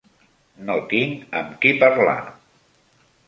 No tinc amb qui parlar.